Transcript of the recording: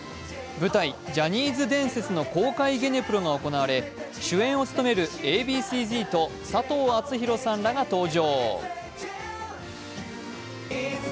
舞台「ジャニーズ伝説」の公開ゲネプロが行われ主演を務めるＡ．Ｂ．Ｃ−Ｚと佐藤アツヒロさんらが登場。